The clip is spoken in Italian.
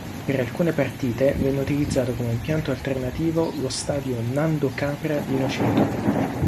Per alcune partite, venne utilizzato come impianto alternativo lo Stadio Nando Capra di Noceto.